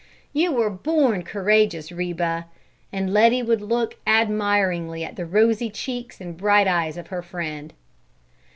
"You were born courageous, Reba!" And Letty would look admiringly at the rosy cheeks and bright eyes of her friend.